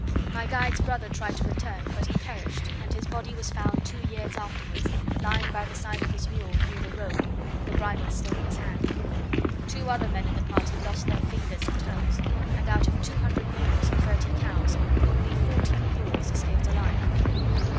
My guide's brother tried to return, but he perished, and his body was found two years afterwards. Lying by the side of his mule near the road, with the bridle still in his hand. Two other men in the party lost their fingers and toes; and out of two hundred mules and thirty cows, only fourteen mules escaped alive.